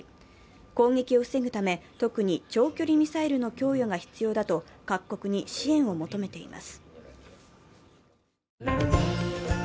攻撃を防ぐため、特に長距離ミサイルの供与が必要だと各国に支援を求めています。